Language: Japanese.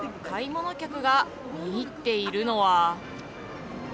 買い物客が見入っているのは。